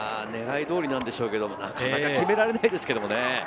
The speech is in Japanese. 狙い通りなんでしょうけど、なかなか決められないですよね。